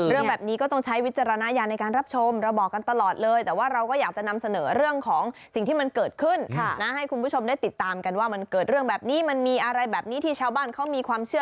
เรื่องแบบนี้ก็ต้องใช้วิจารณายาในการรับชม